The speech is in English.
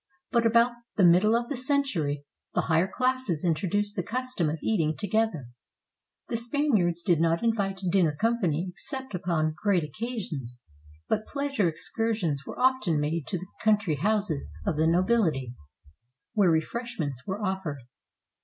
But about the middle of the century, the higher classes introduced the custom of eating to gether. The Spaniards did not invite dinner company except upon great occasions; but pleasure excursions were often made to the country houses of the nobility, where refreshments were offered.